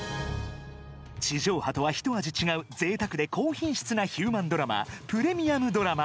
地上波とは一味違う、ぜいたくで高品質なヒューマンドラマ「プレミアムドラマ」。